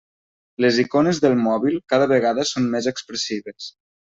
Les icones del mòbil cada vegada són més expressives.